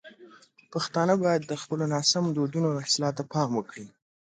پښتانه باید د خپلو ناسم دودونو اصلاح ته پام وکړي.